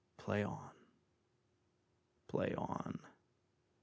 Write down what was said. Play on! Play on!